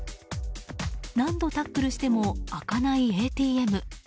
何度タックルしても開かないＡＴＭ。